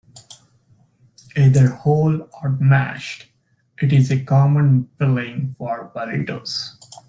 Either whole or mashed, it is a common filling for burritos.